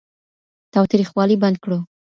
تاوتريخوالی بند کړو.